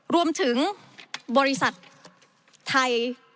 รวมถึงบริษัทไทย